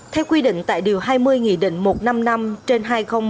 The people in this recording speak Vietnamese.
theo quy định tại điều hai mươi nghị định một trăm năm mươi năm trên hai nghìn một mươi